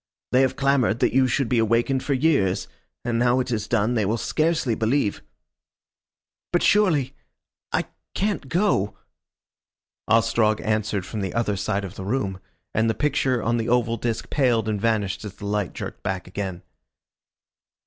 They have clamoured that you should be awakened for years, and now it is done they will scarcely believe " "But surely I can't go ..." Ostrog answered from the other side of the room, and the picture on the oval disc paled and vanished as the light jerked back again.